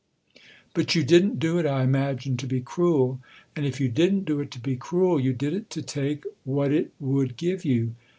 But you didn't do it, I imagine, to be cruel, and if you didn't do it to be cruel you did it to take what it would give you."